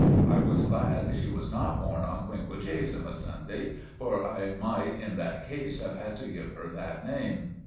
I was glad she was not born on Quinquagesima Sunday for I might in that case have had to give her that name.